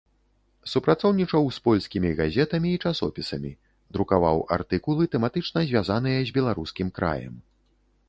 Супрацоўнічаў з польскімі газетамі і часопісамі, друкаваў артыкулы тэматычна звязаныя з беларускім краем.